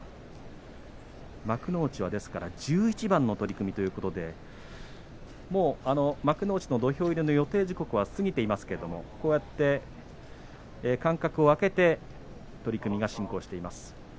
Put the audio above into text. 幕内はですから１１番の取組ということで幕内の土俵入りの予定時刻は過ぎていますけれどもこうやって間隔を空けて取組が進行しています。